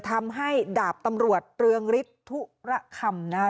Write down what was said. ทำให้ดาบตำรวจเตืองริษฐุระคำ